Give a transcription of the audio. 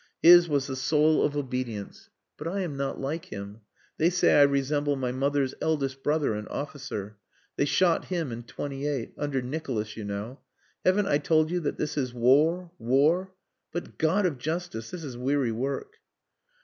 His was the soul of obedience. But I am not like him. They say I resemble my mother's eldest brother, an officer. They shot him in '28. Under Nicholas, you know. Haven't I told you that this is war, war.... But God of Justice! This is weary work."